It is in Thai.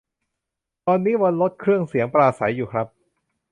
ตอนนี้บนรถเครื่องเสียงปราศรัยอยู่ครับ